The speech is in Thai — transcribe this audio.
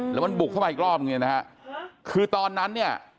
แล้วมันบุกเข้ามาอีกรอบคือตอนนั้นเนี่ย